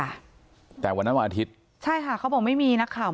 ค่ะแต่วันนั้นวันอาทิตย์ใช่ค่ะเขาบอกไม่มีนักข่าว